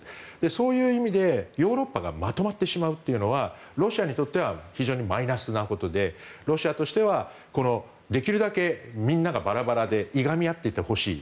そういう意味でヨーロッパがまとまってしまうというのはロシアにとっては非常にマイナスなことでロシアとしてはできるだけみんながバラバラでいがみ合っていてほしい。